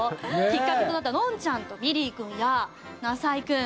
きっかけとなったのんちゃんとびりーくんやなさいくん。